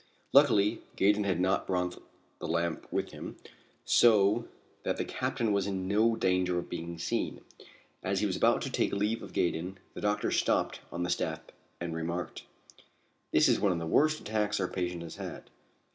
Luckily Gaydon had not brought the lamp with him, so that the captain was in no danger of being seen. As he was about to take leave of Gaydon, the doctor stopped on the step and remarked: "This is one of the worst attacks our patient has had.